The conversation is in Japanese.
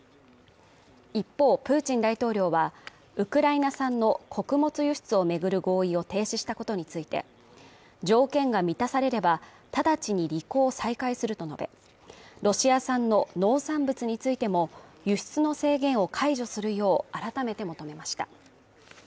一方、プーチン大統領はウクライナ産の穀物輸出を巡る合意を停止したことについて、条件が満たされれば、直ちに履行を再開すると述べ、ロシア産の農産物についても、輸出の制限を解除するよう改めて求めました。